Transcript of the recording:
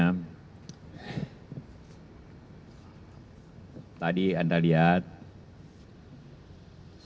pertama tadi anda lihat saya